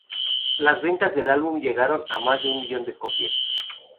Las ventas del álbum llegaron a más de un millón de copias.